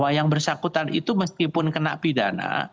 bahwa yang bersangkutan itu meskipun kena pidana